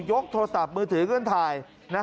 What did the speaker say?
ยกโทรศัพท์มือถือเครื่องถ่าย